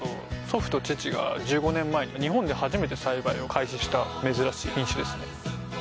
祖父と父が１５年前に日本で初めて栽培を開始した珍しい品種ですね。